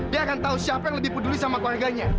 dia akan tahu siapa yang lebih peduli sama keluarganya